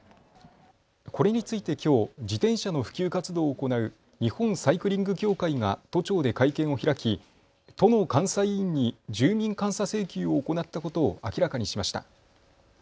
これについてきょう自転車の普及活動を行う日本サイクリング協会が都庁で会見を開き都の監査委員に住民監査請求を行ったことを明らかにしました。